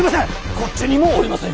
こっちにもおりません！